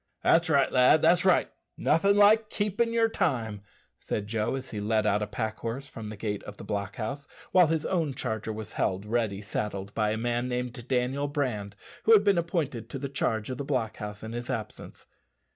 "That's right, lad, that's right. Nothin' like keepin' yer time," said Joe, as he led out a pack horse from the gate of the block house, while his own charger was held ready saddled by a man named Daniel Brand, who had been appointed to the charge of the block house in his absence.